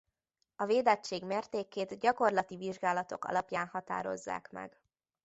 A védettség mértékét gyakorlati vizsgálatok alapján határozzák meg.